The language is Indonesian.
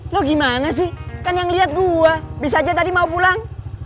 lo gimana sih kan yang lihat gua bisa aja tadi mau pulang